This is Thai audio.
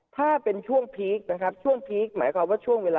ถ้าเป็นช่วงพีคหมายความว่าช่วงเวลา